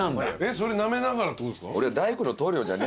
それなめながらってことですか？